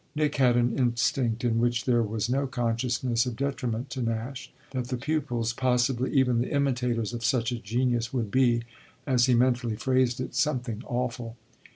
Nick had an instinct, in which there was no consciousness of detriment to Nash, that the pupils, possibly even the imitators, of such a genius would be, as he mentally phrased it, something awful.